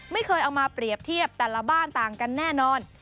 ไม่เคยเอามาเปรียบเทียบแต่ละบ้านต่างกันแน่นอน